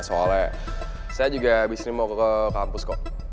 soalnya saya juga habis ini mau ke kampus kok